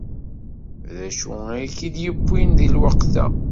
D acu ay k-id-yewwin deg lweqt-a?